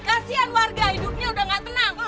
kasian warga hidupnya udah enggak tenang